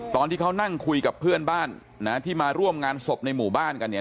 ตอนที่เขานั่งคุยกับเพื่อนบ้านนะที่มาร่วมงานศพในหมู่บ้านกันเนี่ย